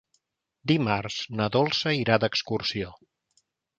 Dimarts na Dolça irà d'excursió.